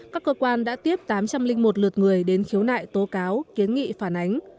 các cơ quan đã tiếp tám trăm linh một lượt người đến khiếu nại tố cáo kiến nghị phản ánh